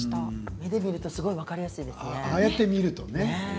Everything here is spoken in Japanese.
目で見ると分かりやすいですね